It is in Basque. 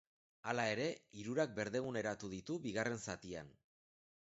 Hala ere, hirurak berdeguneratu ditu bigarren zatian.